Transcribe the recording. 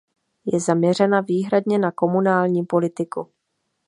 Je zaměřena výhradně na komunální politiku.